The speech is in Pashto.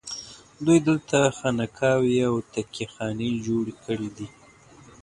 دوی دلته خانقاوې او تکیه خانې جوړې کړي دي.